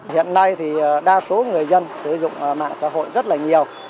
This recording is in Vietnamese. hiện nay thì đa số người dân sử dụng mạng xã hội rất là nhiều